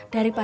dari pak isah